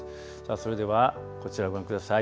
それではこちらご覧ください。